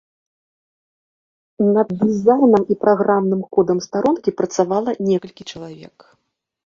Над дызайнам і праграмным кодам старонкі працавала некалькі чалавек.